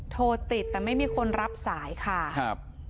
โทรติดแต่ไม่มีคนรับสายค่ะครับ